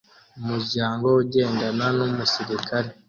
Umuryango ugendana numusirikare